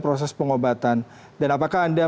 proses pengobatan dan apakah anda